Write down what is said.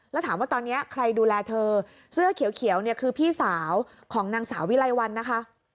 แล้วถามว่าตอนนี้ใครดูแลเธอเสื้อเขียวเนี่ยคือพี่สาวของนางสาววิไลวันนะคะ